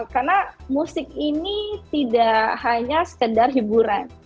karena musik ini tidak hanya sekedar hiburan